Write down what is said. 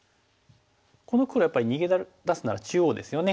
この黒やっぱり逃げ出すなら中央ですよね。